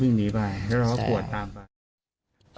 หนีไปแล้วเราก็กวดตามไป